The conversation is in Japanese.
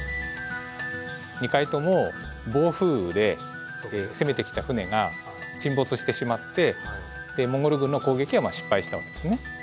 ２回とも暴風雨で攻めてきた船が沈没してしまってモンゴル軍の攻撃は失敗したわけですね。